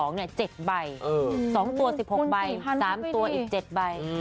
๕๒๒เนี่ย๗ใบ๒ตัว๑๖ใบ๓ตัวอีก๗ใบ